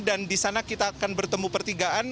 dan disana kita akan bertemu pertigaan